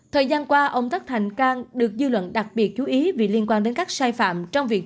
thời gian qua ông tất thành cang được dư luận đặc biệt chú ý vì liên quan đến các sai phạm trong việc